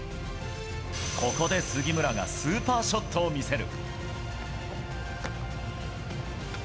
ここで杉村がスーパーショットを見せる。